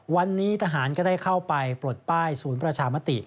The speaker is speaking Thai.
วันนี้ทหารก็ได้เข้าไปปลดป้ายศูนย์ประชามติ